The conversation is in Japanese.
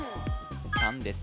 ３です